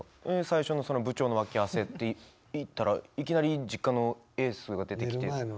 最初の「部長の脇汗」って言ったらいきなり「実家のエース」が出てきて。